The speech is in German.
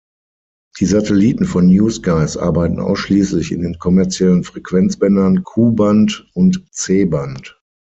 Die Satelliten von New Skies arbeiten ausschließlich in den kommerziellen Frequenzbändern Ku-Band und C-Band.